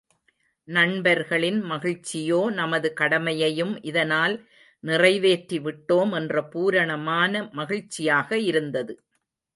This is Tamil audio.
நண்பர்களின் மகிழ்ச்சியோ நமது கடமையையும் இதனால் நிறைவேற்றிவிட்டோம் என்ற பூரணமான மகிழ்ச்சியாக இருந்தது.